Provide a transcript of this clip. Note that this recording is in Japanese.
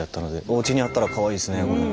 おうちにあったらかわいいですねこれ。